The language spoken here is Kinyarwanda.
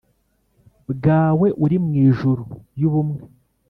bwawe uri mu ijuru y ubumve